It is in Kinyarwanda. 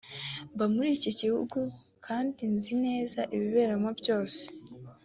mba muri iki gihugu kandi nzi neza ibiberamo byose